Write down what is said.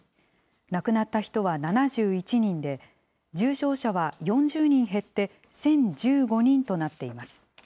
亡くなった人は７１人で、重症者は４０人減って１０１５人となっています。